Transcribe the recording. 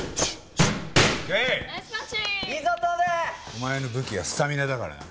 お前の武器はスタミナだからな。